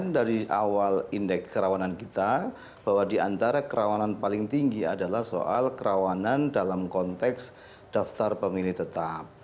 dari awal indeks kerawanan kita bahwa diantara kerawanan paling tinggi adalah soal kerawanan dalam konteks daftar pemilih tetap